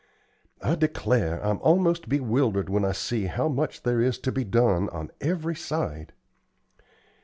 I declare I'm almost bewildered when I see how much there is to be done on every side.